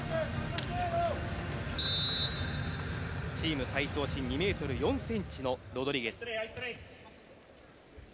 チーム最長身２ｍ４ｃｍのロドリゲス。